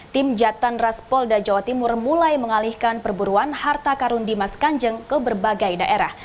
tim jatan ras polda jawa timur mulai mengalihkan perburuan harta karun dimas kanjeng ke berbagai daerah